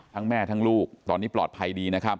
แม่ทั้งลูกตอนนี้ปลอดภัยดีนะครับ